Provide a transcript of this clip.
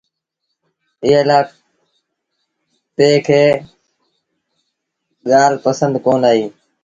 ايئي لآ پي کي ڳآج پنسند ڪونا آئيٚ۔